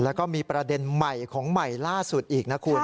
แล้วก็มีประเด็นใหม่ของใหม่ล่าสุดอีกนะคุณ